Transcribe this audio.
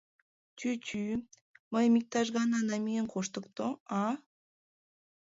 — Чӱчӱ, мыйым иктаж гана намиен коштыкто, а?